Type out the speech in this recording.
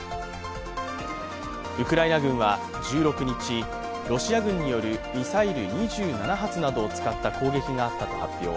ウクライナ軍は１６日、ロシア軍によるミサイル２７発などを使った攻撃があったと発表。